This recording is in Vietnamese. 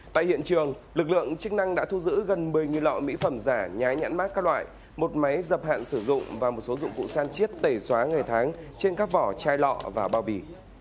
tại hiện trường lực lượng chức năng đã thu giữ gần một mươi lọ mỹ phẩm giả nhái nhãn mát các loại một máy dập hạn sử dụng và một số dụng cụ san chiết tẩy xóa ngày tháng trên các vỏ chai lọ và bao bì